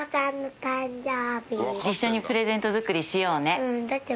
一緒にプレゼント作りしようね。